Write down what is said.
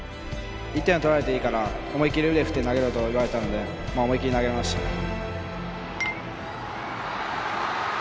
１点は取られていいから思い切り腕振って投げろと言われたので思い切り投げました。